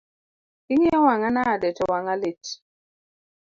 Ing’iyo wang’a nade to wang'a lit?